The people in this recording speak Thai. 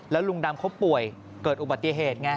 แล้วลุงดำเขาป่วยเกิดอุบัติเหตุไง